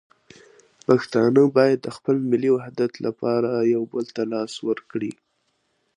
پښتانه باید د خپل ملي وحدت لپاره یو بل ته لاس ورکړي.